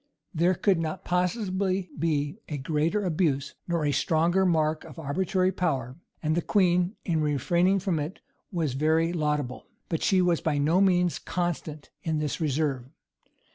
[v] There could not possibly be a greater abuse, nor a stronger mark of arbitrary power; and the queen, in refraining from it, was very laudable. But she was by no means constant in this reserve.